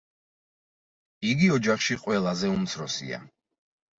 იგი ოჯახში ყველაზე უმცროსია.